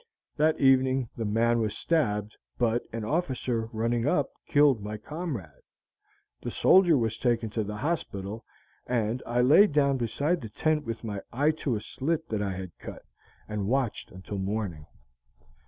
"That evening the man was stabbed, but an officer running up killed my comrade. The soldier was taken to the hospital, and I lay down beside the tent with my eye to a slit that I had cut, and watched till morning.